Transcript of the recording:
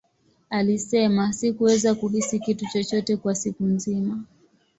Alisema, Sikuweza kuhisi kitu chochote kwa siku nzima.